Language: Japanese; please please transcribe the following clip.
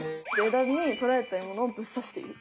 枝に捕らえた獲物をぶっ刺している。